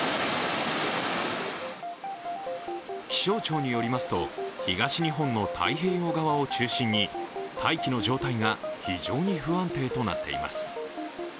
気象庁によりますと、東日本の太平洋側を中心に大気の状態が非常に不安定になっています。